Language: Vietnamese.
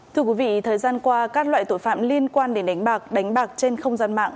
thưa quý vị thời gian qua các loại tội phạm liên quan đến đánh bạc trên không gian mạng